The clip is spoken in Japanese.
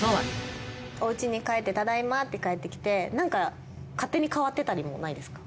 おうちに帰ってただいまって帰ってきて何か勝手に変わってたりもないですか？